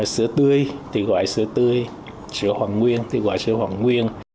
sữa tươi thì gọi sữa tươi sữa hoàn nguyên thì gọi sữa hoàn nguyên